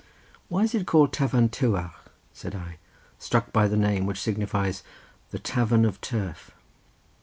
"Why is it called Tafarn Tywarch?" said I, struck by the name, which signifies "the tavern of turf."